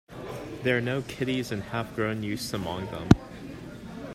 There are no kiddies and half grown youths among them.